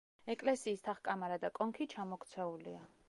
ეკლესიის თაღ-კამარა და კონქი ჩამოქცეულია.